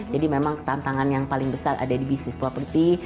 jadi memang tantangan yang paling besar ada di bisnis properti